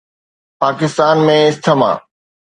Pakistan ۾ asthma